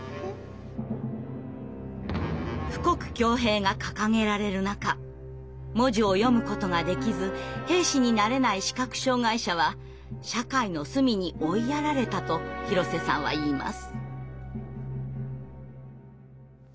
「富国強兵」が掲げられる中文字を読むことができず兵士になれない視覚障害者は社会の隅に追いやられたと広瀬さんはいいます。